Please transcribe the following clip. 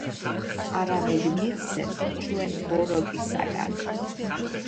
არამედ მიხსენ ჩუენ ბოროტისაგან